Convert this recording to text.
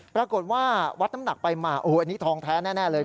ปรากฏว่าวัดน้ำหนักไปมาโอ้โหอันนี้ทองแท้แน่เลย